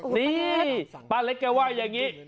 นี่ป้าเล็กแกว่าอย่างนี้